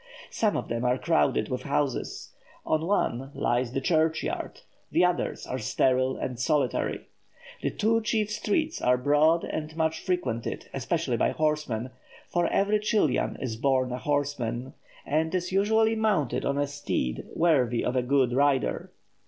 Some of them are crowded with houses; on one lies the church yard; the others are sterile and solitary. The two chief streets are broad and much frequented, especially by horsemen, for every Chilian is born a horseman, and is usually mounted on a steed worthy of a good rider.